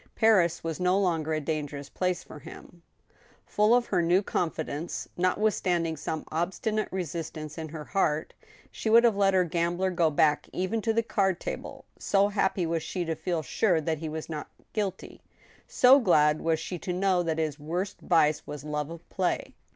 Paris was no longer a dangerous place for him. Full of her THE TWO WIVES, 129 new confidence, notwithstanding some obstinate resistance in her heart, she would have let her gambler go back even to the carcj table, so happy was she to feel sure that he was not guilty — so glad was she to know that his v^orst vice was love of play.